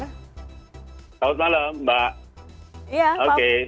selamat malam mbak